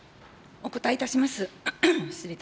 お答えいたします。